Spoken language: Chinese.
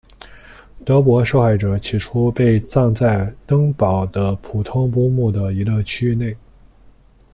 德国受害者起初被葬在登堡的普通公墓的一个区域内。